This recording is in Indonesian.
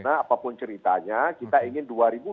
apapun ceritanya kita ingin